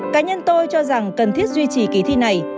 cá nhân tôi cho rằng cần thiết duy trì kỳ thi này